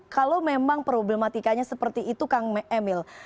kalau memang problematikanya seperti itu kang emil